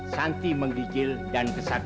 wah murah banget bos